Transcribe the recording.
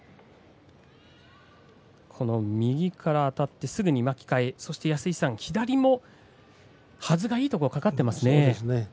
右からあたってすぐに巻き替えてそして左のはずがいいところにかかっていますね。